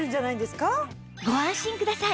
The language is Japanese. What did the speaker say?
ご安心ください